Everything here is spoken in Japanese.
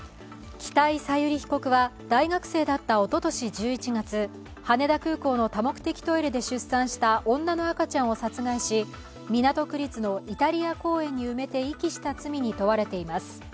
北井小百里被告は大学生だったおととし１１月羽田空港の多目的トイレで出産した女の赤ちゃんを殺害し、港区立のイタリア公園に埋めて遺棄した罪に問われています。